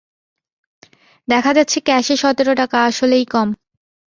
দেখা যাচ্ছে ক্যাশে সতের টাকা আসলেই কম।